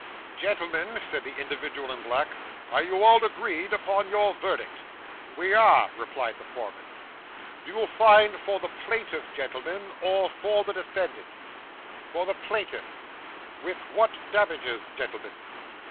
'Gentlemen,' said the individual in black, 'are you all agreed upon your verdict?' 'We are,' replied the foreman. 'Do you find for the plaintiff, gentlemen, or for the defendant?' For the plaintiff.' 'With what damages, gentlemen?